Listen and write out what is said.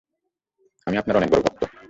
আমি আপনার অনেক বড় ভক্ত।